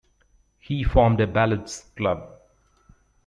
He formed a Ballads Club.